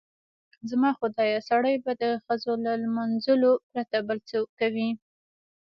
زما خدایه سړی به د ښځو له لمانځلو پرته بل څه کوي؟